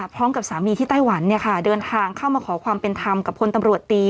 สามีที่ไต้หวันเนี่ยค่ะเดินทางเข้ามาขอความเป็นธรรมกับพลตำรวจตี